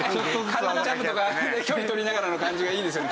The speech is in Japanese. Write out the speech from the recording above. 軽いジャブとか距離取りながらの感じがいいですよね